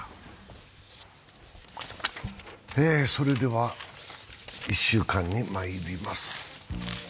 それでは「一週間」にまいります。